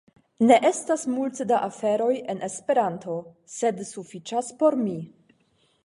Ne estas multe da aferoj en Esperanto, sed sufiĉas por mi.